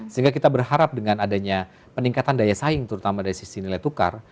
sehingga kita berharap dengan adanya peningkatan daya saing terutama dari sisi nilai tukar